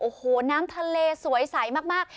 โอ้โหน้ำทะเลสวยใสมาก